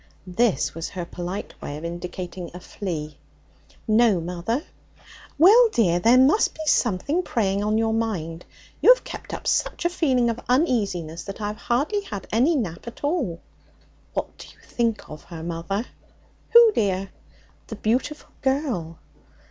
This was her polite way of indicating a flea. 'No, mother.' 'Well, dear, there must be something preying on your mind; you have kept up such a feeling of uneasiness that I have hardly had any nap at all.' 'What do you think of her, mother?' 'Who, dear?' 'The beautiful girl.'